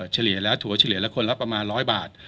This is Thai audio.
เฉลี่ยแล้วถั่วเฉลี่ยละคนละประมาณ๑๐๐บาท